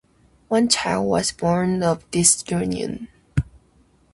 One child was born of this union.